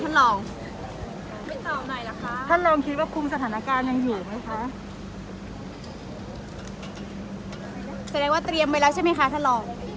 เขาเขาขีดเส้นไว้ให้กับรัฐบาลว่าถึงเวลา๑๘น